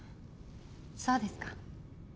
そうですか。